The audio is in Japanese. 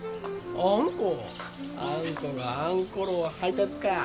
あんこがあんころを配達か。